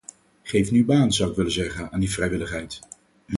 Geef nu baan, zou ik willen zeggen, aan die vrijwilligheid.